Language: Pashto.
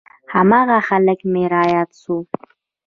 هماغه هلک مې راياد سو.